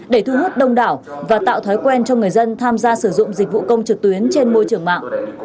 để thu hút đông đảo và tạo thói quen cho người dân tham gia sử dụng dịch vụ công trực tuyến trên môi trường mạng